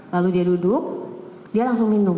lalu dia duduk dia langsung minum